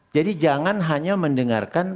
jadi jangan hanya mendengarkan